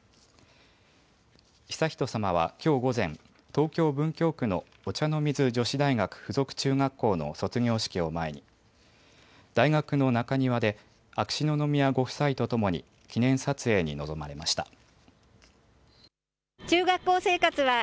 悠仁さまはきょう午前、東京文京区のお茶の水女子大学附属中学校の卒業式を前に大学の中庭で秋篠宮ご夫妻とともに記念撮影に臨まれました。